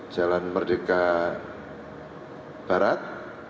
jalan merdeka barat